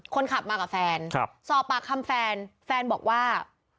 คนขับมากับแฟนสอบปากคำแฟนแฟนบอกว่า